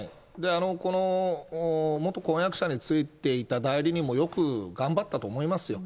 この元婚約者についていた代理人もよく頑張ったと思いますよ。